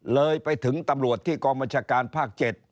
เลยไปถึงตำรวจที่กองบัญชาการภาค๗